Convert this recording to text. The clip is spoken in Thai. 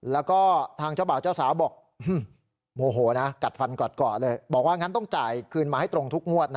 แล้วก็ทางเจ้าเบาเจ้าสาวบอกโหม่โกะนะบอกว่านั้นต้องจ่ายคืนมาให้ตรงทุกงวดนะ